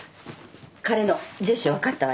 彼の住所分かったわよ。